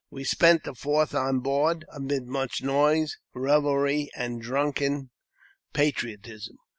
We spent the Fourth on board, amid much noise, revelry, and drunken patriotism.